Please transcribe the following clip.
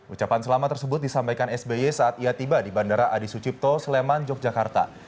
ucapan selamat tersebut disampaikan sby saat ia tiba di bandara adi sucipto sleman yogyakarta